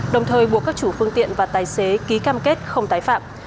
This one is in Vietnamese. đồng thời buộc các chủ phương tiện và tài xế ký cam kết không tái phạm